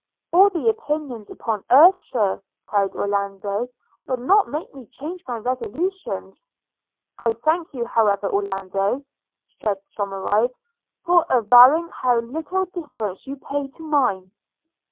'All the opinions upon earth, Sir,' cried Orlando, 'will not make me change my resolutions.' 'I thank you, however, Orlando,' said Somerive, 'for avowing how little deference you pay to mine.'